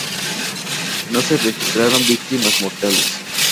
No se registraron víctimas mortales.